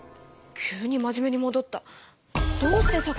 急に真面目にもどった。